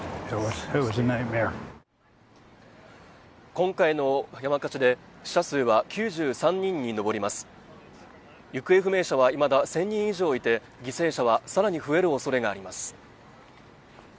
今回の山火事で死者数は９３人に上ります行方不明者はいまだ１０００人以上いて犠牲者はさらに増えるおそれがあります